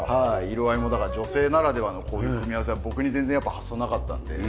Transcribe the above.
色合いもだから女性ならではのこういう組み合わせは僕に全然発想なかったので。